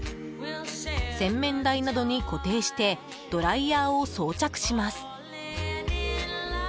洗面台などに固定してドライヤーを装着します。